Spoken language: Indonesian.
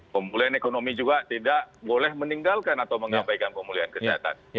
pemulihan ekonomi juga tidak boleh meninggalkan atau mengabaikan pemulihan kesehatan